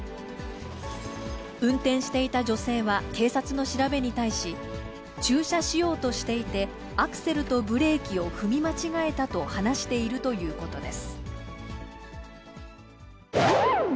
運転していた女性は警察の調べに対し、駐車しようとしていて、アクセルとブレーキを踏み間違えたと話しているということです。